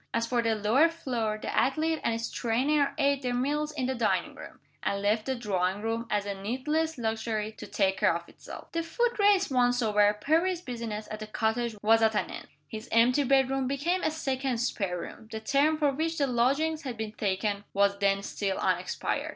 As for the lower floor, the athlete and his trainer ate their meals in the dining room; and left the drawing room, as a needless luxury, to take care of itself. The Foot Race once over, Perry's business at the cottage was at an end. His empty bedroom became a second spare room. The term for which the lodgings had been taken was then still unexpired.